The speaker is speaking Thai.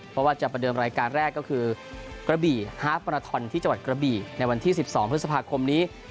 เพราะว่าจะประเดิมรายการแรกก็คือกระบี่ฮาร์ฟประราทอนที่จังหวัดกระบี่ในวันที่๑๒พฤษภาคมนี้